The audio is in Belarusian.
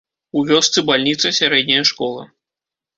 У вёсцы бальніца, сярэдняя школа.